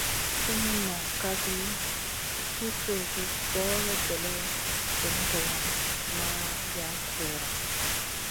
Sumun noŋ kaf fi tuzi goy kélèʼèh, vun goloŋ ma yaʼ Guhra.